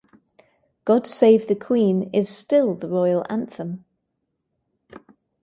"God Save the Queen" is still the Royal anthem.